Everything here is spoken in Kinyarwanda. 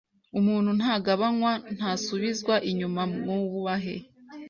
umuntu ntagabanywa ntasubizwa inyuma mwubahe